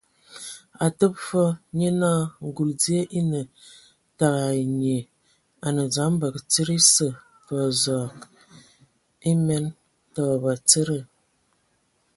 A təbə fɔɔ, nye naa ngul dzie e ne tego ai nnyie, a nǝ dzam bagǝ tsid ese, tɔ zog emen. Ndɔ batsidi.